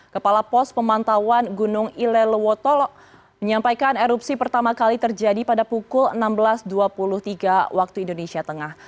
kepala pos pemantauan gunung ilelewotolo menyampaikan erupsi pertama kali terjadi pada pukul enam belas dua puluh tiga waktu indonesia tengah